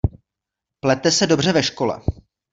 Plete se dobře ve škole.